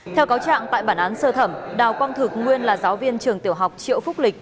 theo cáo trạng tại bản án sơ thẩm đào quang thực nguyên là giáo viên trường tiểu học triệu phúc lịch